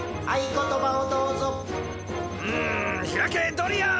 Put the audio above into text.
ドリアン！